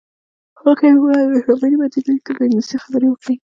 هغه وویل مهرباني به دې وي که په انګلیسي خبرې وکړې.